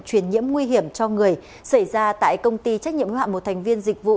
truyền nhiễm nguy hiểm cho người xảy ra tại công ty trách nhiệm hạ một thành viên dịch vụ